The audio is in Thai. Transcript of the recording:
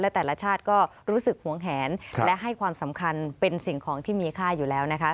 และแต่ละชาติก็รู้สึกหวงแหนและให้ความสำคัญเป็นสิ่งของที่มีค่าอยู่แล้วนะคะ